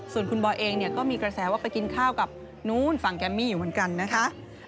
ส่วนคุณบอยเองเนี่ยก็มีกระแสว่าไปกินข้าวกับนู้นฝั่งแกมมี่อยู่เหมือนกันนะคะ